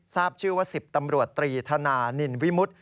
ทราบชื่อว่า๑๐ตำรวจตรีธนานินวิมุติ